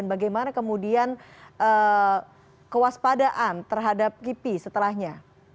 apakah kewaspadaan terhadap ipi setelahnya